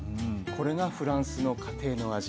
これがフランスの家庭の味。